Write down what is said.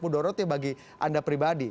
mudorotnya bagi anda pribadi